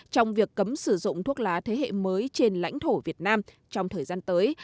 trong việc cấm sử dụng thuốc lá thế hệ mới trên lãnh thổ việt nam trong thời gian tới